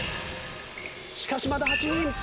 しかしまだ８人。